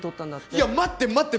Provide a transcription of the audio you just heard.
いや待って待って！